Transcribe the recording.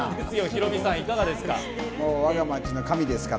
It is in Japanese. ヒロミさん、いかがですか？